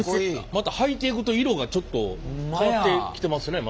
また履いていくと色がちょっと変わってきてますねまた。